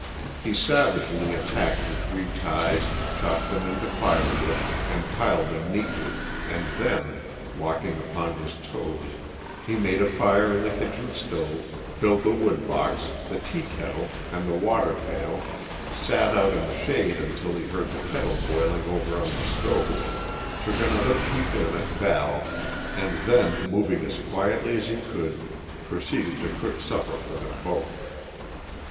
He savagely attacked the three ties, chopped them into firewood, and piled them neatly, and then, walking upon his toes, he made a fire in the kitchen stove, filled the woodbox, the teakettle, and the water pail, sat out in the shade until he heard the kettle boiling over on the stove, took another peep in at Val, and then, moving as quietly as he could, proceeded to cook supper for them both.